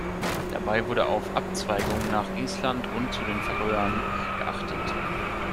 Dabei wurde auf Abzweigungen nach Island und zu den Färöern geachtet.